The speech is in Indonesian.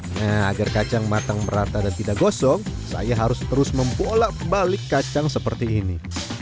nah agar kacang matang merata dan tidak gosong saya harus terus membolak balik kacang seperti ini